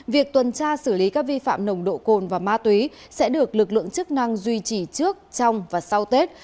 việc tuần tra xử lý các vi phạm nồng độ cồn và ma túy sẽ được lực lượng chức năng duy trì trước trong và sau tết